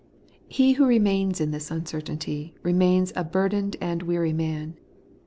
He who remains in this uncertainty remains a burdened and weary man.